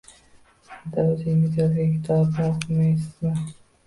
“Ada, o‘zingiz yozgan kitobni o‘qiyapsizmi?!”